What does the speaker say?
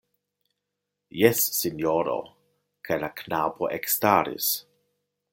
Jes, sinjoro, kaj la knabo ekstaris.